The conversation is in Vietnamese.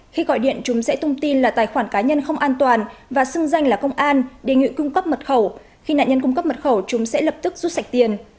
khi gọi điện chúng sẽ thông tin là tài khoản cá nhân không an toàn và xưng danh là công an đề nghị cung cấp mật khẩu khi nạn nhân cung cấp mật khẩu chúng sẽ lập tức rút sạch tiền